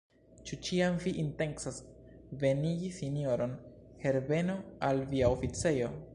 Ĉu ĉiam vi intencas venigi sinjoron Herbeno al via oficejo?